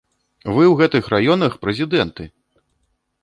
Вы ў гэтых раёнах прэзідэнты!